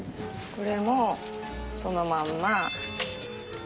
これもそのまんま。